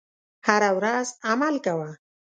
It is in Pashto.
هره ورځ عمل کوه .